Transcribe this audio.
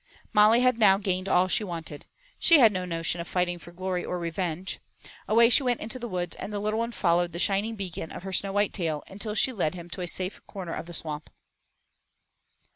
Molly now had gained all she wanted. She had no notion of fighting for glory or revenge. Away she went into the woods and the little one followed the shining beacon of her snow white tail until she led him to a safe corner of the Swamp.